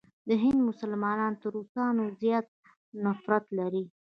د هند مسلمانان تر روسانو زیات نفرت لري.